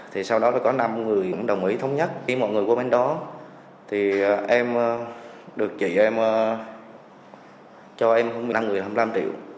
thì sau đó có năm người đồng ý thống nhất khi mọi người qua bên đó thì em được chị em cho em năm người là hai mươi năm triệu